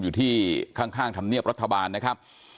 อยู่ที่ข้างธรรมเนียบรัฐบาลนะครับ